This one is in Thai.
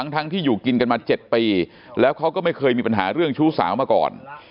ทั้งที่อยู่กินกันมา๗ปีแล้วเขาก็ไม่เคยมีปัญหาเรื่องชู้สาวมาก่อน